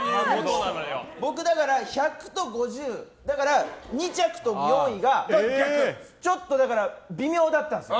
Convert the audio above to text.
僕、１００と５０、だから２着と４着がちょっと微妙だったんですよ。